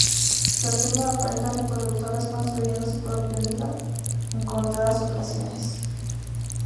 Se observa a parejas reproductoras construyendo su propio nido en contadas ocasiones.